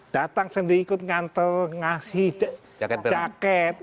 datang sendiri ikut nganter ngasih jaket